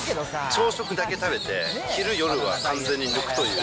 朝食だけ食べて、昼、夜は完全に抜くっていう。